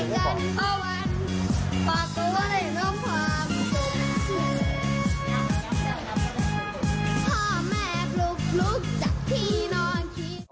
พ่อแม่ปลุกลุกจากที่นอนคิด